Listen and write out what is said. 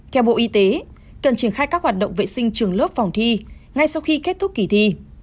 theo bộ y tế cần triển khai các hoạt động vệ sinh trường lớp phòng thi ngay sau khi kết thúc kỳ thi